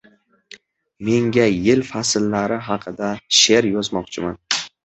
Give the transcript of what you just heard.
Menga yil fasllari haqida she’r yozmoqchiman